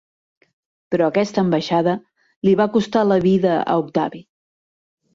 Però aquesta ambaixada li va costar la vida a Octavi.